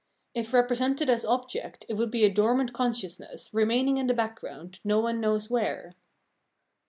If represented as object, it would be a dormant con sciousness, remaining in the background, no one knows where.